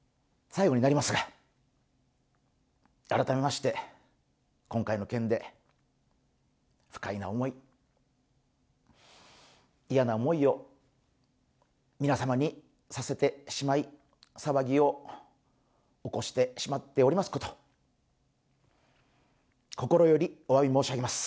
最後になりますが、改めまして今回の件で不快な思い、嫌な思いを皆様にさせてしまい、騒ぎを起こしてしまっておりますこと心よりおわび申し上げます。